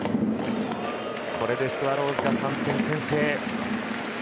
これで、スワローズが３点先制。